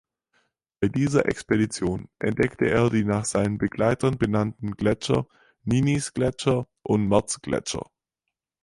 Bei dieser Expedition entdeckte er die nach seinen Begleitern benannten Gletscher Ninnis-Gletscher und Mertz-Gletscher.